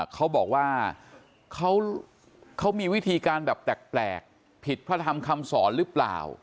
เขาบอกว่าเขามีวิธีการแบบแปลกผิดพระธรรมคำสอนหรือเปล่า